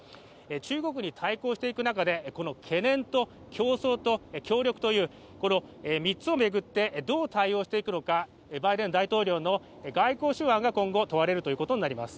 中国に対抗していく中で懸念と競争と協力というこの３つを巡ってどう対応していくのか、バイデン大統領の外交手腕が今後問われるということになります。